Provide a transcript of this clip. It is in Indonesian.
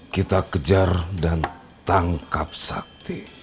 kita kejar dan tangkap sakti